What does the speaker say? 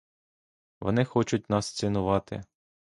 Вони хочуть нас цінувати!